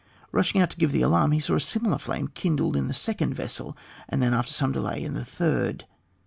Rushing out to give the alarm, he saw a similar flame kindled in the second vessel, and then, after some delay, in the third.